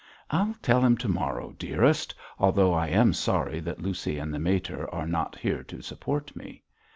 'I'll tell him to morrow, dearest, although I am sorry that Lucy and the mater are not here to support me.'